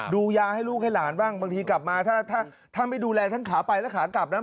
ยาให้ลูกให้หลานบ้างบางทีกลับมาถ้าไม่ดูแลทั้งขาไปและขากลับนะ